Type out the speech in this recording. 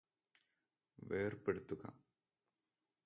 വേർപെടുത്തുക